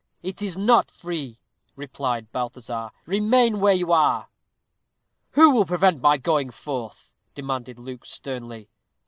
"It is not free," replied Balthazar. "Remain where you are." "Who will prevent my going forth?" demanded Luke, sternly.